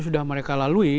sudah mereka lalui